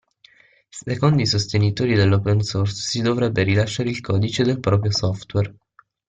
Secondo i sostenitori dell'Open Source si dovrebbe rilasciare il codice del proprio software.